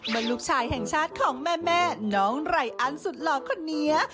ลูกชายแห่งชาติของแม่น้องไรอันสุดหล่อคนนี้